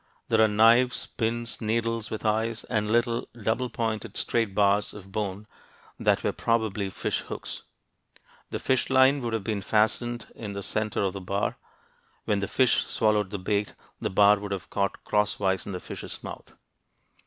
There are knives, pins, needles with eyes, and little double pointed straight bars of bone that were probably fish hooks. The fish line would have been fastened in the center of the bar; when the fish swallowed the bait, the bar would have caught cross wise in the fish's mouth.